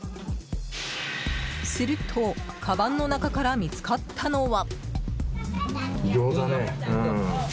すると、かばんの中から見つかったのは。